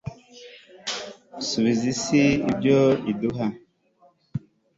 subiza isi ibyo iduha